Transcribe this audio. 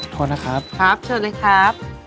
โทษนะครับครับเชิญเลยครับ